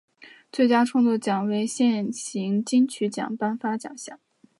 最佳创作奖为现行金曲奖颁发奖项。